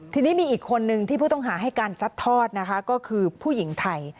ทีนี้มีอีกคนนึงที่ผู้ต้องหาให้การซัดทอดนะคะก็คือผู้หญิงไทย